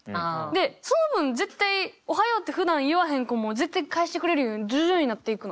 でその分絶対「おはよう」ってふだん言わへん子も絶対返してくれるように徐々になっていくの。